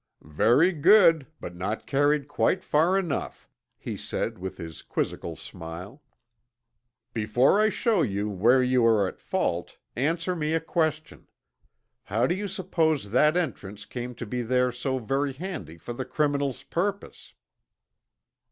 "Very good, but not carried quite far enough," he said with his quizzical smile. "Before I show you where you are at fault, answer me a question. How do you suppose that entrance came to be there so very handy for the criminal's purpose?"